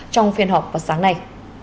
trong phiên họp vào sáng nay